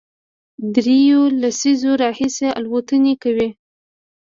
درېیو لسیزو راهیسې الوتنې کوي،